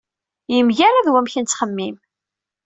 Yemgerrad wamek nettxemmim.